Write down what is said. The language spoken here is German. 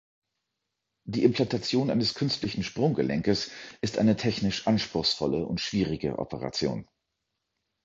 Die Implantation eines künstlichen Sprunggelenkes ist eine technisch anspruchsvolle und schwierige Operation.